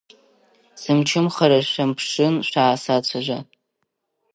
Сымчымхара шәамԥшын, шәаасацәажәа.